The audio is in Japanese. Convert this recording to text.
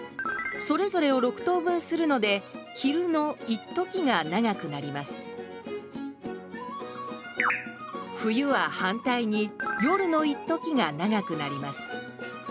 それぞれを６等分するので昼のいっときが長くなります冬は反対に夜のいっときが長くなります。